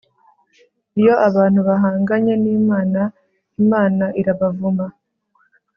iyo abantu bahanganye nimana, imana irabavuma